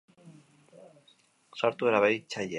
Sartu erabiltzailea.